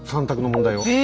３択の問題を。